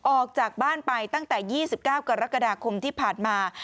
ออกจากบ้านไปตั้งแต่๒๙กรกฎาคมที่ผ่านมา